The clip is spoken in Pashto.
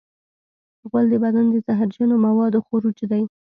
غول د بدن د زهرجنو موادو خروج دی.